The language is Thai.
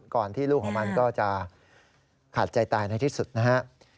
ที่ลูกของมันก็จะขาดใจตายในที่สุดนะฮะ